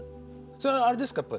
それはあれですか？